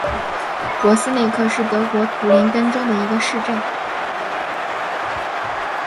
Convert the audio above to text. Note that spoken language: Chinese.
珀斯内克是德国图林根州的一个市镇。